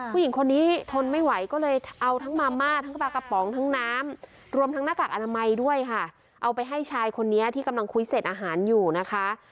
ผู้หญิงคนนี้ทนไม่ไหวก็เลยเอาทั้งมาม่าทั้งปลากระป๋องทั้งน้ำรวมทั้งหน้ากากอนามัยด้วยค่ะเอาไปให้ชายคนนี้ที่กำลังคุยเสร็จอาหารอยู่นะคะ